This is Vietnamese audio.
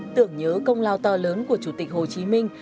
tưởng nhớ công lao to lớn của chủ tịch hồ chí minh